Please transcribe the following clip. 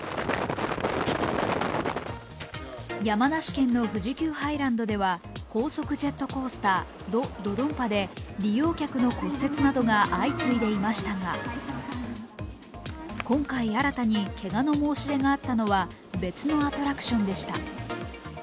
山梨県の富士急ハイランドでは高速ジェットコースター、ド・ドドンパで利用客の骨折などが相次いでいましたが、今回、新たにけがの申し出があったのは別のアトラクションでした。